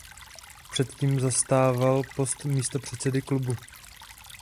Předtím zastával post místopředsedy klubu.